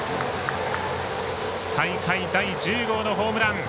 大会第１０号のホームラン。